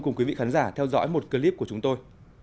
cùng quý vị khán giả theo dõi một clip của chúng tôi